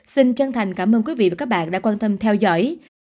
xin chân thành cảm ơn quý vị và các bạn đã quan tâm theo dõi